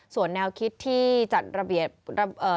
ส่วนแนวคิดที่จัดระเบียบเอ่อ